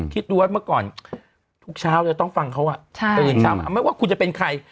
คิดดูว่าเมื่อก่อนทุกเช้าจะต้องฟังเขาตื่นเช้ามาไม่ว่าคุณจะเป็นใคร